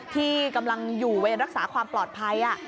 ที่กำลังอยู่เวรรักษาความปลอดภัย